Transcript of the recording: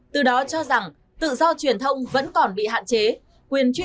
từ đó cho rằng tự do truyền thông vẫn còn bị hạn chế